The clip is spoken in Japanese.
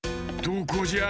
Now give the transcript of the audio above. どこじゃ？